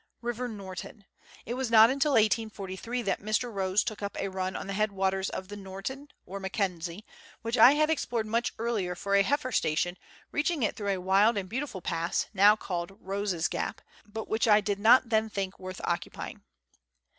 River Norton. It was not till 1843 that Mr. Rose took up a run on the head waters of the Norton (or McKenzie), which I had explored much earlier, for a heifer station, reaching it Letters from Victorian Pioneers. 215 through a wild and beautiful pass, now called "Rose's Gap," but which I did not then think worth occupying.